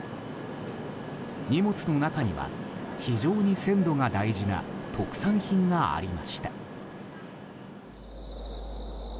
荷物の中には非常に鮮度が大事な特産品がありました。